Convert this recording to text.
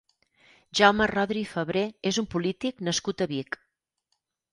Jaume Rodri i Febrer és un polític nascut a Vic.